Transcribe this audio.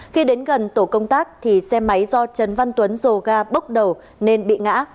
khi đến gần tổ công tác thì xe máy do trần văn tuấn dồ ga bốc đầu nên bị ngã